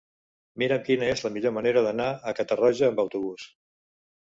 Mira'm quina és la millor manera d'anar a Catarroja amb autobús.